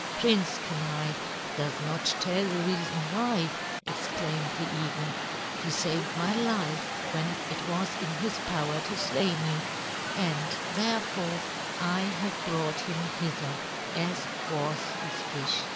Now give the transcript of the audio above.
"Prince Kenai does not tell the reason why," exclaimed the eagle. "He saved my life when it was in his power to slay me, and, therefore, I have brought him hither, as was his wish."